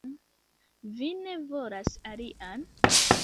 Vi ne volas alian?